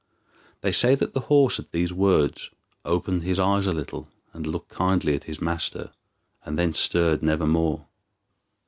They say that the horse, at these words, opened his eyes a little, and looked kindly at his master, and then stirred never more.